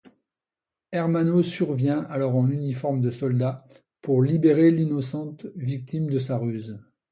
Ermanno survient alors en uniforme de soldat pour libérer l'innocente victime de sa ruse.